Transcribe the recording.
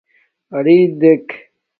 اَرین دݵک.